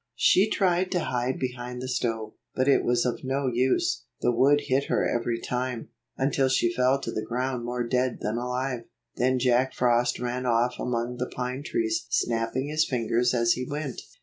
34 She tried to hide behind the stove, but it was of no use. The wood hit her every time, until she fell to the ground more dead than alive. Then Jack Frost ran off among the pine trees, snapping his fingers as he went.